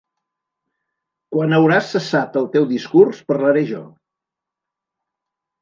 Quan hauràs cessat el teu discurs, parlaré jo.